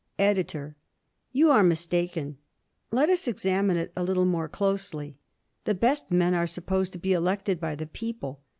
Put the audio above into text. EDITOR: You are mistaken. Let us examine it a little more closely. The best men are supposed to be elected by the people.